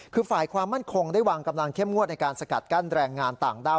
คือฝ่ายความมั่นคงได้วางกำลังเข้มงวดในการสกัดกั้นแรงงานต่างด้าว